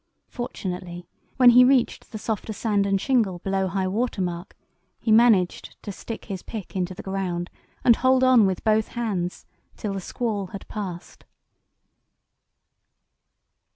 Fortunately, when he reached the softer sand and shingle below high water mark, he managed to stick his pick into the ground and hold on with both hands till the squall had passed.